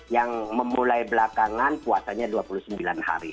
yang memulai belakangan puasanya dua puluh sembilan hari